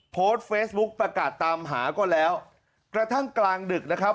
โพสต์เฟซบุ๊คประกาศตามหาก็แล้วกระทั่งกลางดึกนะครับ